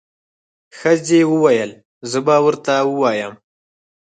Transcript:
ښځې وويل زه به ورته ووایم.